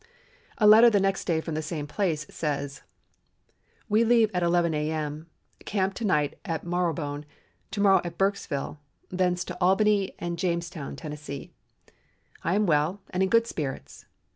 A letter the next day from the same place says: "We leave at 11 A.M., camp to night at Marrowbone, to morrow at Burksville, thence to Albany and Jamestown, Tennessee. I am well and in good spirits.